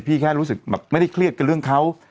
แค่รู้สึกแบบไม่ได้เครียดกับเรื่องเขา